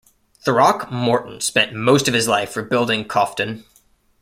Throckmorton spent most of his life rebuilding Coughton.